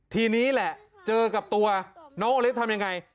ทีนี้แหละเจอกับตัวน้องโอลิสทำยังไง